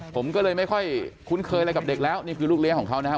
ผมก็เลยไม่ค่อยคุ้นเคยอะไรกับเด็กแล้วนี่คือลูกเลี้ยของเขานะครับ